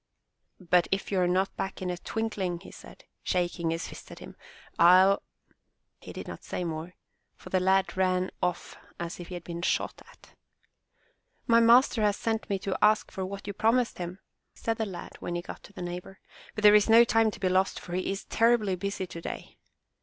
''But if you are not back in a twinkling,'' he said, shaking his fist at him, "FU— " He did not say more, for the lad ran off as if he had been shot at. My master has sent me to ask for what you promised him," said the lad when he got to the neighbor, *'but there is no time to be lost for he is terribly busy today."